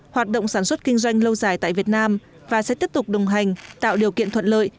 hoạt động sản xuất kinh doanh lâu dài tại việt nam và sẽ tiếp tục đồng hành tạo điều kiện thuận lợi